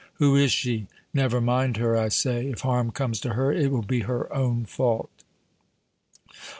"Who is she?" "Never mind her, I say! If harm comes to her it will be her own fault!"